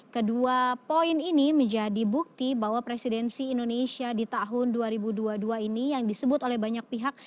kedua poin ini menjadi bukti bahwa presidensi indonesia di tahun dua ribu dua puluh dua ini yang disebut oleh banyak pihak